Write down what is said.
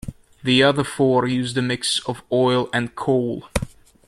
The other four used a mix of oil and coal.